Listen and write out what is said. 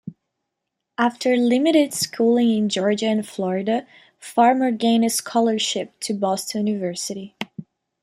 After limited schooling in Georgia and Florida, Farmer gained a scholarship to Boston University.